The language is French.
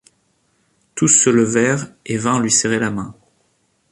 Tous se levèrent et vinrent lui serrer la main.